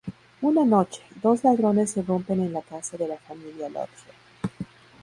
Una noche, dos ladrones irrumpen en la casa de la familia Lodge.